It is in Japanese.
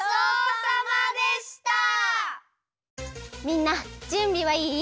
みんなじゅんびはいい？